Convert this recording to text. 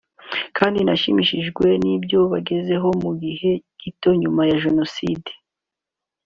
kandi nashimishijwe n’ibyo bagezeho mu gihe gito nyuma ya Jenoside